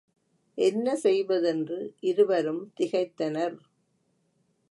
என்ன செய்வதென்று இருவரும் திகைத்தனர்.